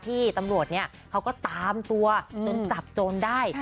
ที่ตำรวจเนี่ยเขาก็ตามตัวจนจับโจรได้